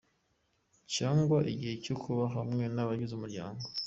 cyangwa igihe cyo kuba hamwe n'abagize umuryango"